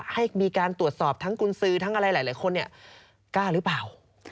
ให้มีการตรวจสอบทั้งกุญสือทั้งอะไรหลายคนกล้าหรือเปล่า